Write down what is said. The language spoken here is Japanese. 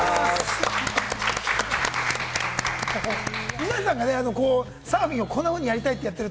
皆さんがね、サーフィンをこんなふうにやりたいと言っている。